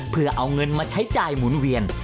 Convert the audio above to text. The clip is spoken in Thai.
เพื่อเอาเงินมาใช้จ่ายหมุนเวียน